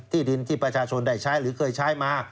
ที่ดินที่ประชาชนได้ใช้หรือเคยใช้มา